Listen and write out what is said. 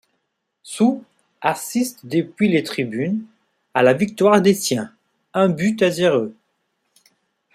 Sow assiste depuis les tribunes à la victoire des siens un but à zéro.